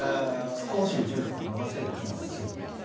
少し宇宙服を伸ばせる機能がついていて。